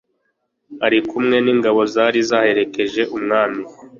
ari kumwe n'ingabo zari zaherekeje umwami